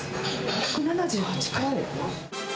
１７８回？